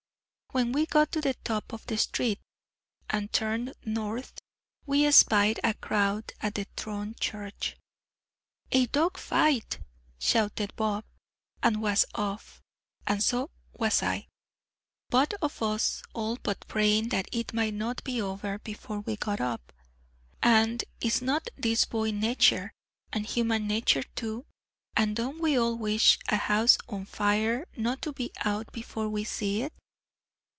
When we got to the top of the street, and turned north, we espied a crowd at the Tron church. "A dog fight!" shouted Bob, and was off; and so was I, both of us all but praying that it might not be over before we got up! And is not this boy nature! and human nature, too? and don't we all wish a house on fire not to be out before we see it?